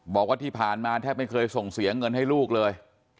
บอกว่าที่ผ่านมาแทบไม่เคยส่งเสียเงินให้ลูกเลย